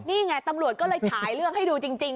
นี่ไงตำรวจก็เลยฉายเรื่องให้ดูจริง